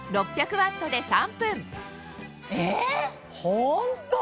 ホント？